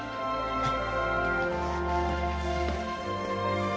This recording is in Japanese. はい。